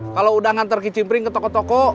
kalau udah ngantar kicimpring ke toko toko